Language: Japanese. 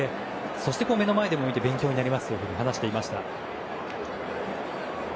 そして目の前で見て勉強になりますと話していました。